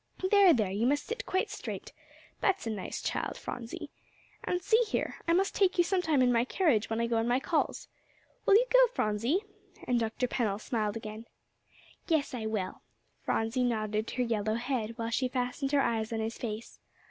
"There, there, you must sit quite straight. That's a nice child, Phronsie. And see here! I must take you sometime in my carriage when I go on my calls. Will you go, Phronsie?" and Dr. Pennell smiled again. "Yes, I will." Phronsie nodded her yellow head, while she fastened her eyes on his face.